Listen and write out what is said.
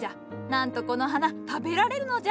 なんとこの花食べられるのじゃ！